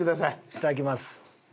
いただきます。